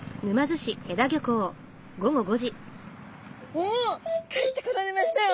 おお帰ってこられましたよ！